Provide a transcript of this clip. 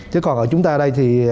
chứ còn ở chúng ta đây thì